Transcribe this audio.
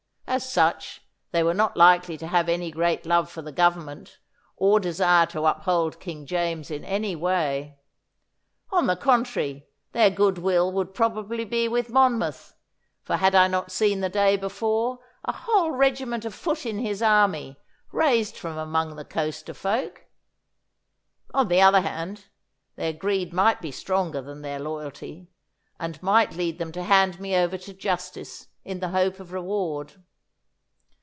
As such, they were not likely to have any great love for the Government, or desire to uphold King James in any way. On the contrary, their goodwill would probably be with Monmouth, for had I not seen the day before a whole regiment of foot in his army, raised from among the coaster folk? On the other hand, their greed might be stronger than their loyalty, and might lead them to hand me over to justice in the hope of reward.